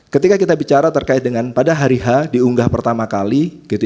ketika kita bicara terkait dengan pada hari h diunggah pertama kali